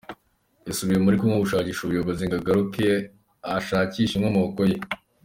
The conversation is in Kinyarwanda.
Yasubiye muri Congo gushakisha ubushobozi ngo azagaruke ashakishe inkomoko ye.